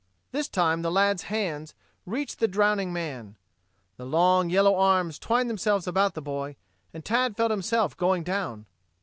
This time the lad's hands reached the drowning man. The long, yellow arms twined themselves about the boy, and Tad felt himself going down.